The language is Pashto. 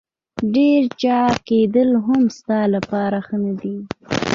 ډېر چاغ کېدل هم ستا لپاره ښه نه دي.